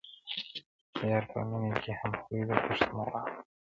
یار په مینه کي هم خوی د پښتون غواړم,